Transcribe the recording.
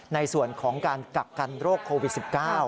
ในส่วนของการกักกันโรคโควิด๑๙